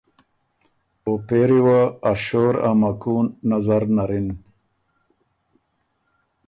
او پېری وه ا شور او ا مکُون نظر نر اِن۔